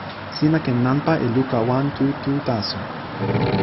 sina ken nanpa e luka wan tu tu taso.